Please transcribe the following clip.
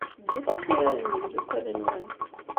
Ddut ad turarem d yimeddukal-nwen.